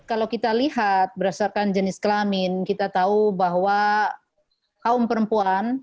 kalau kita lihat berdasarkan jenis kelamin kita tahu bahwa kaum perempuan